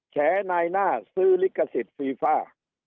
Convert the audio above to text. แฉนายหน้าซื้อลิขสิทธิ์ฟีฟ่า